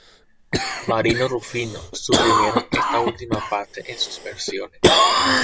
Marino, Rufino- suprimieron esta última parte en sus versiones.